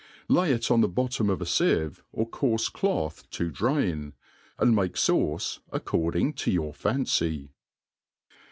Lay it on the bottom of a fieve or coarfe cloth t6 drain, and make fauce according to your fancy.